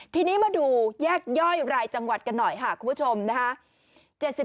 ทีนี้มาดูแยกย่อยรายจังหวัดกันหน่อยค่ะคุณผู้ชมนะคะ